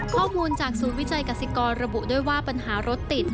ข้อมูลจากศูนย์วิจัยกษิกรระบุด้วยว่าปัญหารถติด